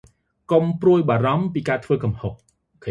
កុំព្រួយបារម្ភពីការធ្វេីកំហុស។